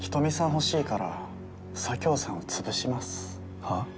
欲しいから佐京さんを潰しますはっ？